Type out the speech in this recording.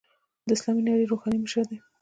د اسلامي نړۍ روحاني مشر دی.